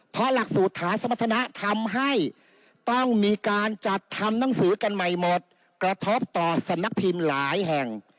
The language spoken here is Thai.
เพราะหลักสูตรฐานสมรรถนะทำให้ต้องมีการจัดทำหนังสือกันใหม่หมดกระทบต่อสำนักพิมพ์หลายแห่ง